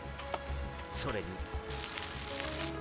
それに。